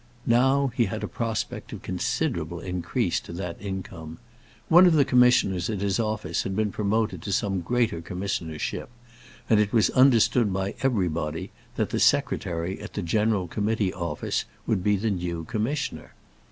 Now he had a prospect of considerable increase to that income. One of the commissioners at his office had been promoted to some greater commissionership, and it was understood by everybody that the secretary at the General Committee Office would be the new commissioner.